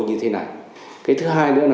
như thế này cái thứ hai nữa là